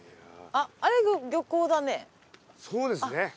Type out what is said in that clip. そうですね。